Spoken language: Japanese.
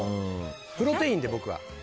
プロテインで僕は。